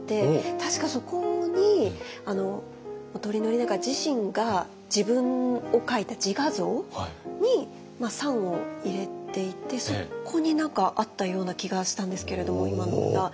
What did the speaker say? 確かそこに本居宣長自身が自分を描いた自画像に賛を入れていてそこに何かあったような気がしたんですけれども今の歌。